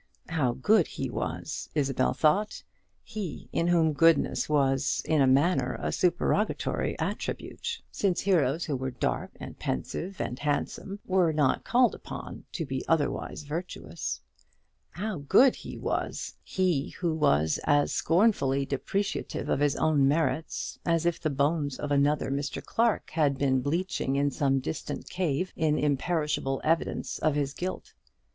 How good he was! Isabel thought; he in whom goodness was in a manner a supererogatory attribute; since heroes who were dark, and pensive, and handsome, were not called upon to be otherwise virtuous. How good he was! he who was as scornfully depreciative of his own merits as if the bones of another Mr. Clarke had been bleaching in some distant cave in imperishable evidence of his guilt.